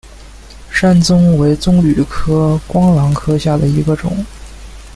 山棕为棕榈科桄榔属下的一个种。